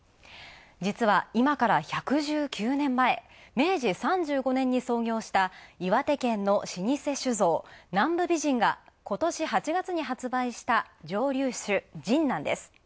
実は、今から１１９年前、明治３５年に創業した岩手県の老舗酒造、南部美人が今年８月に発売した蒸留酒ジンなんです。